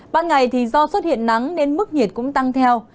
ban ngày thì do xuất hiện nắng nên mức nhiệt cũng tăng theo